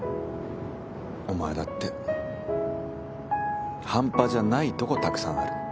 お前だって半端じゃないとこたくさんある。